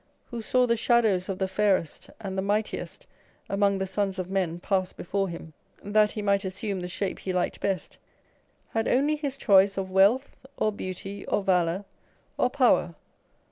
The dwarf in the romance, who saw the shadows of the fairest and the mightiest among the sons of men pass before him, that he might assume the shape he liked best, had only his choice of wealth, or beauty, or valour, or power.